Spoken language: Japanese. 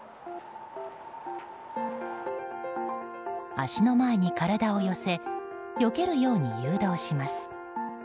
足の前に体を寄せよけるように誘導します。